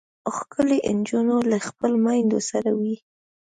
ښکلې نجونې له خپلو میندو سره وي.